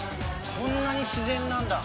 こんなに自然なんだ。